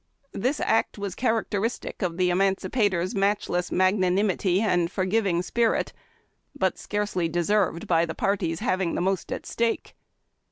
This act was characteristic of the Emancipator's matchless magnanimity and forgiving spirit, but scarcely deserved by the parties having most at stake.